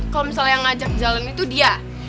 kalau misalnya ngajak jalan itu dia